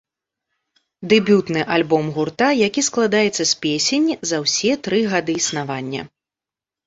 Дэбютны альбом гурта, які складаецца з песень за ўсе тры гады існавання.